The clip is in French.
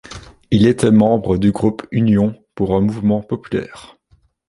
Il était membre du Groupe Union pour un mouvement populaire.